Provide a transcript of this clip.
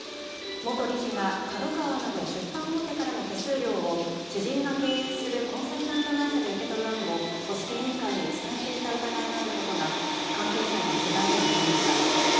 元理事がＫＡＤＯＫＡＷＡなど出版大手からの手数料を知人が経営するコンサルタント会社で受け取る案を組織委員会に伝えていた疑いがあることが関係者への取材で分かりました。